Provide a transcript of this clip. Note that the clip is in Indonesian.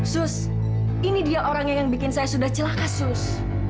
sus ini dia orang yang bikin saya sudah celaka sus